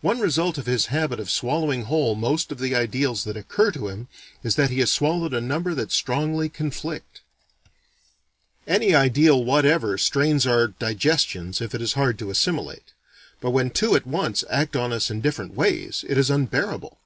One result of his habit of swallowing whole most of the ideals that occur to him, is that he has swallowed a number that strongly conflict. Any ideal whatever strains our digestions if it is hard to assimilate: but when two at once act on us in different ways, it is unbearable.